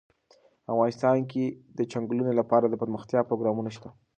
افغانستان کې د چنګلونه لپاره دپرمختیا پروګرامونه شته.